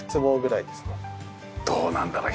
どうなんだろう？